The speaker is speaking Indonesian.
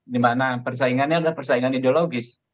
dimana persaingannya adalah persaingan ideologis